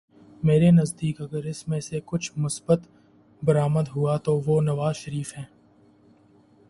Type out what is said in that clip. میرے نزدیک اگر اس میں سے کچھ مثبت برآمد ہوا تو وہ نواز شریف ہیں۔